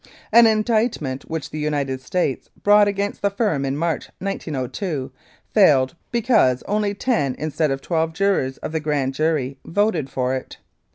An indictment which the United States brought against the firm in March, 1902, failed because only ten instead of twelve jurors of the Grand Jury voted for it.